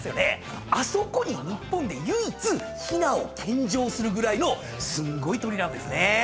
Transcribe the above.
あそこに日本で唯一ひなを献上するぐらいのすごい鶏なんですね。